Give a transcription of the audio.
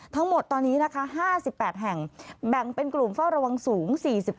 ทั้งหมดตอนนี้นะคะ๕๘แห่งแบ่งเป็นกลุ่มเฝ้าระวังสูง๔๔